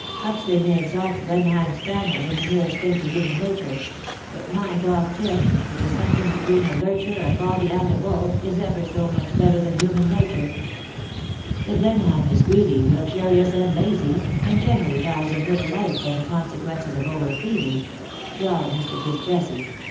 Huxley may exalt Blenheim spaniels as the nearest tiling to human nature ; but my dog Tim_, whicli is something between a lurcher, a collie, and a bull, is ever so much better than human nature/^ '' The Blenheim is greedy, luxurious, and lazy, and generally dies in middle life from the conse quences of over feeding,^^ drawled Mr. FitzJesse.